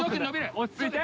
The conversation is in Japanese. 落ち着いて。